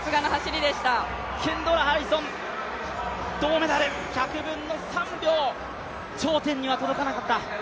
ケンドラ・ハリソン、銅メダル、１００分の３秒、頂点には届かなかった。